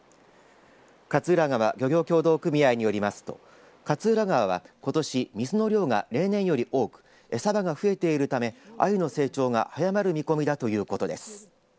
勝浦川漁業協同組合によりますと勝浦川はことし水の量が例年より多く餌場が増えているためあゆの成長が早まる見込みだということです。